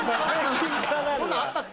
そんなんあったけ？